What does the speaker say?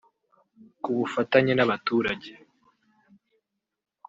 ku bufatanye n’abaturage